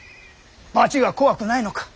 罰が怖くないのか。